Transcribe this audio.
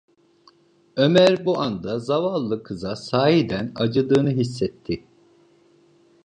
Ömer bu anda zavallı kıza sahiden acıdığını hissetti.